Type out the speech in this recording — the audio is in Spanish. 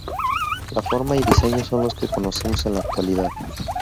La forma y diseño son los que conocemos en la actualidad.